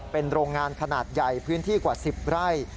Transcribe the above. เป็นโรงงานขนาดใหญ่พื้นที่กว่า๑๐ไร่